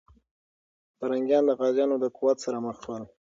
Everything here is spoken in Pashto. پرنګیان د غازيانو د قوت سره مخ سول.